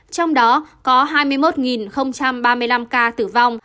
trong đó có hai mươi một ba mươi năm ca tử vong